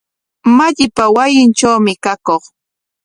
Malliqa wasinllatrawmi kakuq.